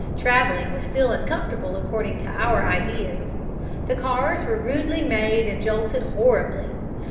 Traveling was still uncomfortable according to our ideas. The cars were rudely made and jolted horribly.